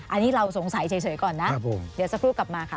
อันนี้เราสงสัยเฉยก่อนนะเดี๋ยวสักครู่กลับมาค่ะ